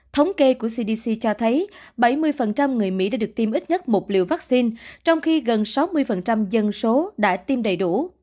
thống kê của cdc cho thấy bảy mươi người mỹ đã được tiêm ít nhất một liều vaccine trong khi gần sáu mươi dân số đã tiêm đầy đủ